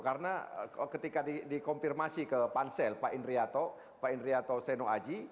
karena ketika dikonfirmasi ke pansel pak indriyato seno aji